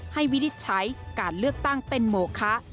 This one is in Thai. วินิจใช้การเลือกตั้งเป็นโมคะ